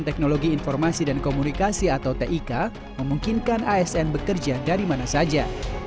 teknologi informasi dan komunikasi atau tik memungkinkan asn bekerja dari mana saja